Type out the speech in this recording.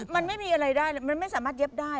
มันไม่มีอะไรได้มันไม่สามารถเย็บได้